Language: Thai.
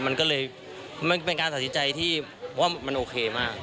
มันก็เลยเป็นการสาธิจัยที่ว่ามันโอเคมาก